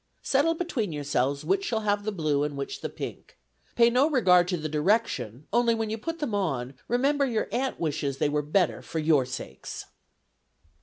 Settle between yourselves which shall have the blue and which the pink, pay no regard to the direction, only when you put them on, remember your aunt wishes they were better for your sakes."